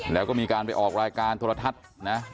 แล้วก็มีการไปออกรายการโทรทัศน์นะ